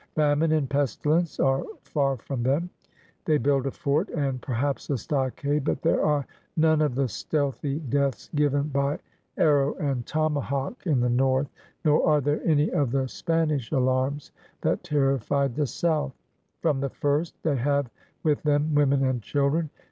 Famine and pestilence are far from them. They build a "fort and per haps a stockade, but there are none of the stealthy deaths given by arrow and tomahawk in the north; nor are there any of the Spanish alarms that terri fied the south. From the first they have with them women and children.